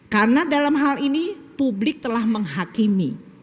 karena dalam hal ini publik telah menghakimi